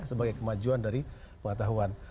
sebagai kemajuan dari pengetahuan